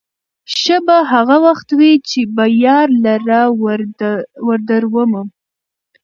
ښه به هغه وخت وي، چې به يار لره وردرومم